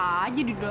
eh tungguin dong